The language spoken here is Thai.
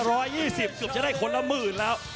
กลับจะได้คนละหมื่นแล้ว